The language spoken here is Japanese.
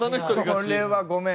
これはごめん。